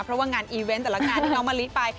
เพราะว่างานอีเวนต์แต่ละงานที่น้องมะลิไป